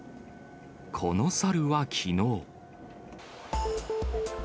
このサルはきのう。